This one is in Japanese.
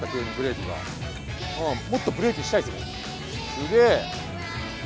すげえ。